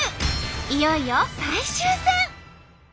いよいよ最終戦。